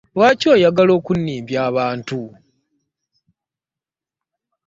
Lwaki oyagala okunnimbya abantu?